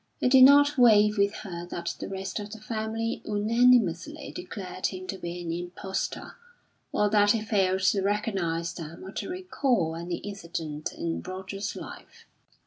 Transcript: It did not weigh with her that the rest of the family unanimously declared him to be an impostor, or that he failed to recognise them or to recall any incident in Roger's life.